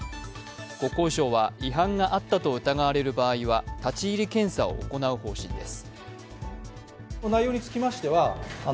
国交省は違反があったと疑われる場合は立ち入り検査を行う方針です。